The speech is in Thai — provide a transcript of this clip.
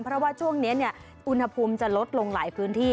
เพราะว่าช่วงนี้อุณหภูมิจะลดลงหลายพื้นที่